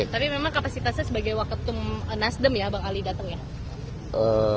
tapi memang kapasitasnya sebagai waketum nasdem ya bang ali datang ya